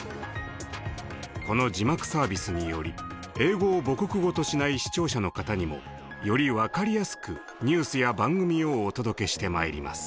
この字幕サービスにより英語を母国語としない視聴者の方にもより分かりやすくニュースや番組をお届けしてまいります。